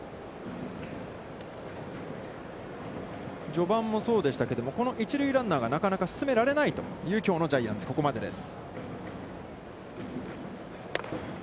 序盤もそうでしたけども、この一塁ランナーが、なかなか進められないというきょうのジャイアンツ、ここまでです。